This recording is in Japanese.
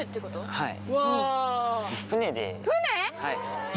はい。